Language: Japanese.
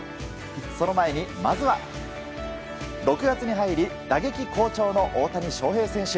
その前に、まずは６月に入り打撃好調の大谷翔平選手。